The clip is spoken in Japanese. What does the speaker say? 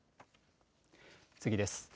次です。